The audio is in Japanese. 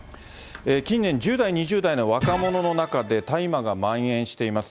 近年、１０代、２０代の若者の中で、大麻がまん延しています。